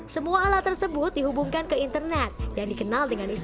semua alat tersebut dihubungkan ke internet dan dikenal dengan istilah